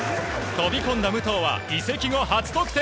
飛び込んだ武藤は移籍後初得点。